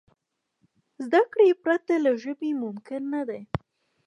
زدهکړې پرته له ژبي ممکن نه دي.